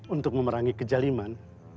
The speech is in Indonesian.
untuk memerangi kejaliman